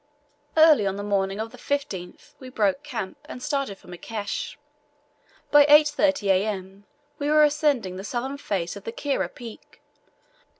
Early on the morning of the 15th we broke camp and started for Mikeseh. By 8.30 A.M. we were ascending the southern face of the Kira Peak.